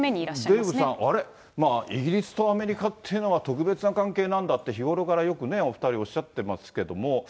これはデーブさん、あれ、イギリスとアメリカというのは、特別な関係なんだって、日頃から、よくお２人、おっしゃってますけれども。